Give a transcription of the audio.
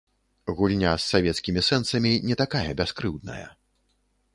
Гульня з савецкімі сэнсамі не такая бяскрыўдная.